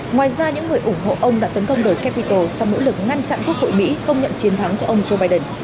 ngoài ra những người ủng hộ ông đã tấn công đời capitol trong nỗ lực ngăn chặn quốc hội mỹ công nhận chiến thắng của ông joe biden